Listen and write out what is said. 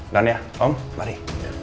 dan ya om mari